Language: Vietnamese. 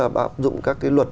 bạo dụng các luật